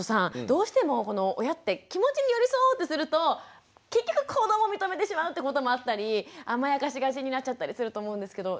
どうしても親って気持ちに寄り添おうとすると結局行動も認めてしまうってこともあったり甘やかしがちになっちゃったりすると思うんですけど。